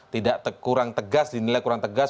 tidak kurang tegas dinilai kurang tegas